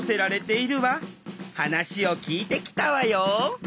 話を聞いてきたわよ！